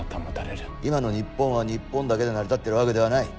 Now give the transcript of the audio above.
今の日本は日本だけで成り立っているわけではない。